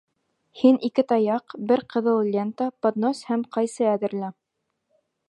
Һин ике таяҡ, бер ҡыҙыл лента, поднос һәм ҡайсы әҙерлә!